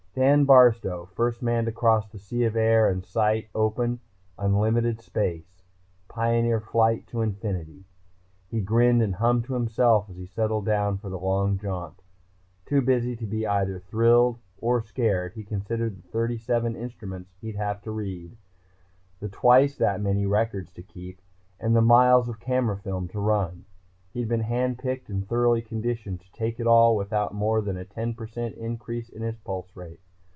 Dan Barstow, first man to cross the sea of air and sight open, unlimited space. Pioneer flight to infinity. He grinned and hummed to himself as he settled down for the long jaunt. Too busy to be either thrilled or scared he considered the thirty seven instruments he'd have to read, the twice that many records to keep, and the miles of camera film to run. He had been hand picked and thoroughly conditioned to take it all without more than a ten percent increase in his pulse rate.